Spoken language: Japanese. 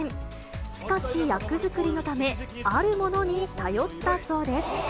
しかし、役作りのため、あるものに頼ったそうです。